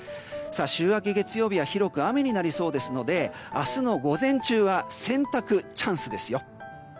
週明け月曜日は広く雨になりそうですので明日の午前中は洗濯チャンスですよ。